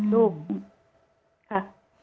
ลูกค่ะ